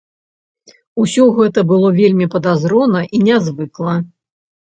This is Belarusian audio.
Усё гэта было вельмі падазрона і нязвыкла.